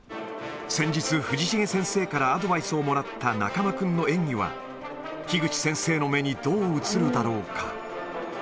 先日、藤重先生からアドバイスをもらった中間君の演技は、樋口先生の目にどう映るだろうか。